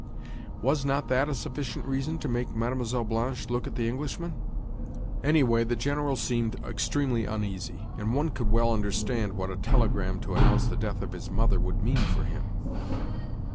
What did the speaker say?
Was not that a sufficient reason to make Mlle. Blanche look at the Englishman? Anyway the General seemed extremely uneasy; and, one could well understand what a telegram to announce the death of his mother would mean for him!